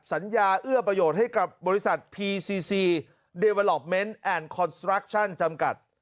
เอ้าเอื้อประโยชน์ให้กับบริษัทพีซีซีเดเวอลอปเมนต์แอนดคอนสตรักชั่นจำกัด